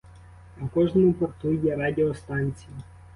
А в кожному порту є радіостанція.